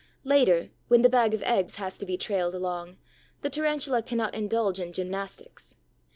Later, when the bag of eggs has to be trailed along, the Tarantula cannot indulge in gymnastics.